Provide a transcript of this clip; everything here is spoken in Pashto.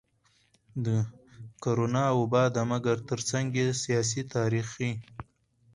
د کرونا وبا ده مګر ترڅنګ يې سياسي, تاريخي,